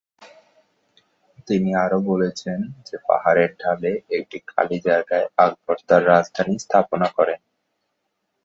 তিনি আরও বলছেন যে পাহাড়ের ঢালে একটি খালি জায়গায় আকবর তার রাজধানী স্থাপনা করেন।